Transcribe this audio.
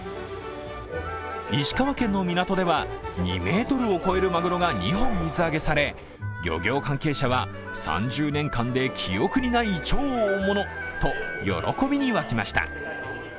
石川県の港では、２ｍを超えるマグロが２本水揚げされ漁業関係者は、３０年間で記憶にない超大物と喜びに沸きました。